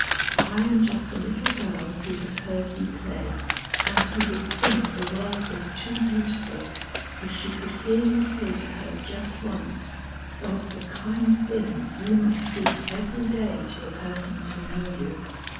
I am just a little girl who has heard you play, and who would think the world was too beautiful, if she could hear you say to her just once, some of the kind things you must speak every day to the persons who know you.